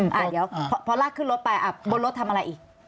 เดี๋ยวพอลากขึ้นรถไปบนรถทำอะไรอีก